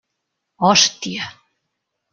Hòstia!